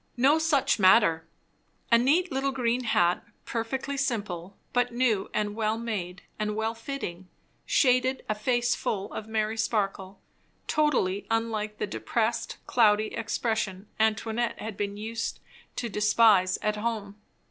No such matter; a neat little green hat, perfectly simple, but new and well made and well fitting, shaded a face full of merry sparkle, totally unlike the depressed, cloudy expression Antoinette had been used to despise at home.